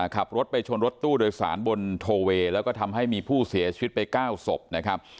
ขับรถไปชนรถตู้โดยสารบนโทเวย์แล้วก็ทำให้มีผู้เสียชีวิตไป๙ศพนะครับ